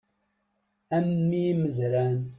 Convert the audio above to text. A mm imezran!